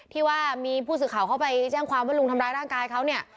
ที่ว่ามีผู้สื่อข่าวเข้าไปแจ้งความว่าลุงทำร้ายร่างกายเขาเนี่ย